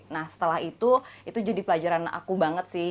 nah setelah itu itu jadi pelajaran aku banget sih